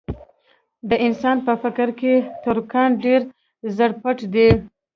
د انسان په فکر کې تر کان ډېر زر پټ دي.